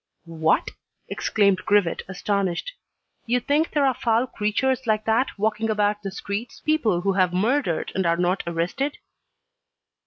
"What!" exclaimed Grivet astonished, "you think there are foul creatures like that walking about the streets, people who have murdered and are not arrested?"